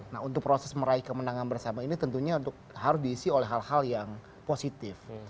nah untuk proses meraih kemenangan bersama ini tentunya harus diisi oleh hal hal yang positif